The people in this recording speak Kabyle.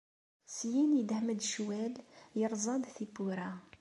Syin yedhem-d ccwal, yerẓa-d tiwwura.